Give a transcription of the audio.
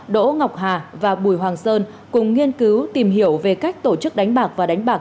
đỗ ngọc hà và bùi hoàng sơn cùng nghiên cứu tìm hiểu về cách tổ chức đánh bạc và đánh bạc